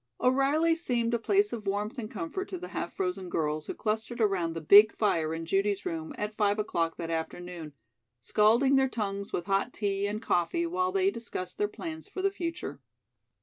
O'Reilly's seemed a place of warmth and comfort to the half frozen girls who clustered around the big fire in Judy's room at five o'clock that afternoon, scalding their tongues with hot tea and coffee while they discussed their plans for the future.